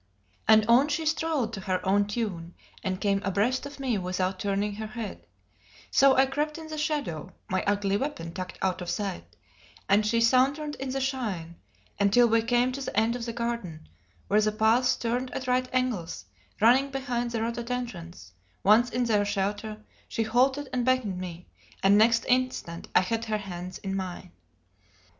And on she strolled to her own tune, and came abreast of me without turning her head; so I crept in the shadow (my ugly weapon tucked out of sight), and she sauntered in the shine, until we came to the end of the garden, where the path turned at right angles, running behind the rhododendrons; once in their shelter, she halted and beckoned me, and next instant I had her hands in mine.